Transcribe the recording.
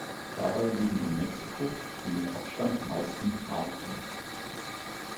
Dabei leben in Mexiko die mit Abstand meisten Arten.